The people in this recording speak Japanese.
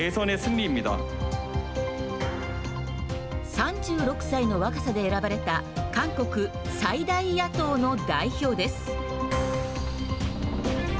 ３６歳の若さで選ばれた韓国、最大野党の代表です。